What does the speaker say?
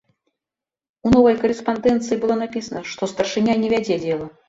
У новай карэспандэнцыі было напісана, што старшыня не вядзе дзела.